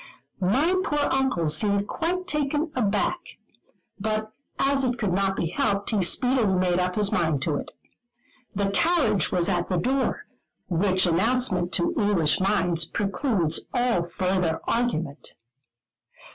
My poor Uncle seemed quite taken aback; but as it could not be helped, he speedily made up his mind to it. "The carriage was at the door;" which announcement to English minds precludes all further argument.